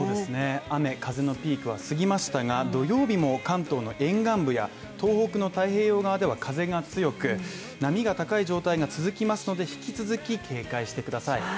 雨風のピークは過ぎましたが土曜日も関東の沿岸部や東北の太平洋側では風が強く波が高い状態が続きますので引き続き警戒してください。